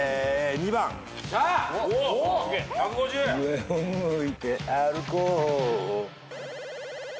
「上を向いて歩こう」